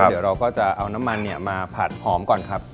เดี๋ยวเราก็จะเอาน้ำมันมาผัดหอมก่อนครับ